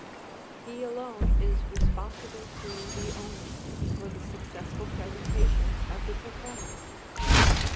He alone is responsible to the owner for the successful presentation of the performance.